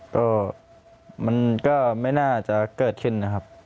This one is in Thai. ก็มันก็ไม่น่าจะเกิดขึ้นนะครับ